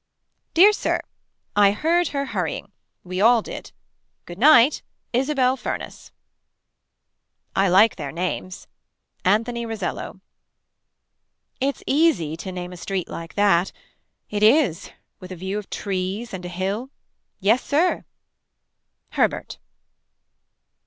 Dear Sir. I heard her hurrying. We all did. Good night. Isabel Furness. I like their names. Anthony Rosello. It's easy to name a street like that. It is. With a view Of trees and a hill. Yes sir. Herbert.